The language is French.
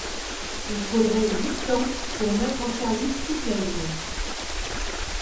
Il faudrait huit ans pour mettre en service toute la ligne.